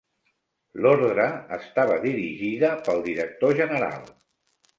L'Ordre estava dirigida pel Director general.